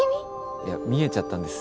いや見えちゃったんです。